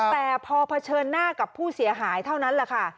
แต่พอเผชิญหน้ากับผู้เสียหายเท่านั้นแหละค่ะ